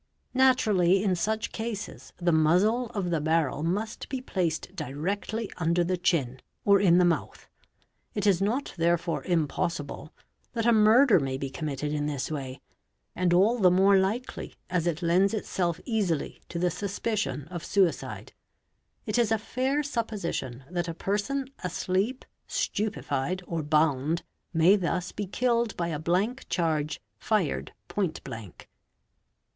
Naturally in such cases the muzzle of the barrel ~ must be placed directly under the chin or in the mouth. It is not therefore impossible that a murder may be committed in this way, and all the more likely as it lends itself easily to the suspicion of suicide; it is a fair supposition that a person asleep, stupefied, or bound, may thus be killed by a blank charge fired point blank.